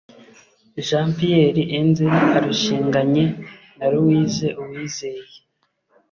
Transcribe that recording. Jean Pierre Enzen arushinganye na Louise Uwizeye